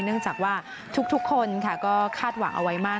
เนื่องจากว่าทุกคนก็คาดหวังเอาไว้มาก